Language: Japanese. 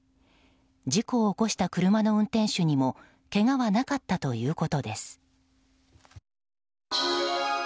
事故を起こした車の運転手にもけがはなかったということです。